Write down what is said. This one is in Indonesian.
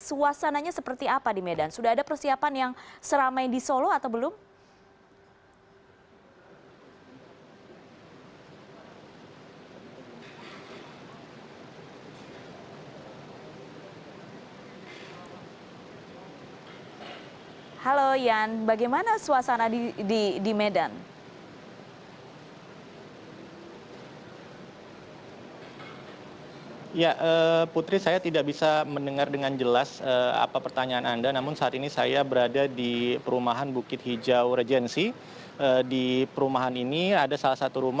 suasananya seperti apa di medan sudah ada persiapan yang seramai di solo atau belum